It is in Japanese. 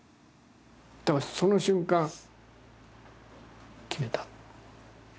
だからその瞬間決めた。